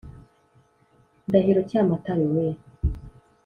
ndahiro cyamatare we